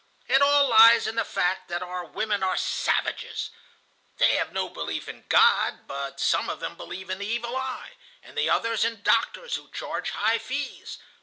"It all lies in the fact that our women are savages. They have no belief in God, but some of them believe in the evil eye, and the others in doctors who charge high fees.